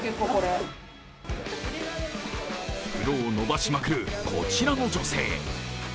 袋を伸ばしまくるこちらの女性。